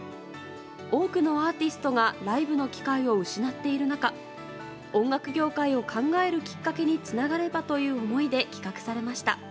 多くのアーティストがライブの機会を失っている中音楽業界を考えるきっかけにつながればという思いで企画されました。